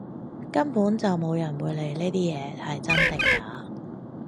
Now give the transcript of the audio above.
根本就冇人會理啲嘢係真定假！